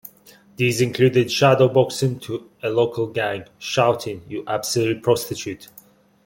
These included shadow-boxing a local gang, shouting You absolute prostitute!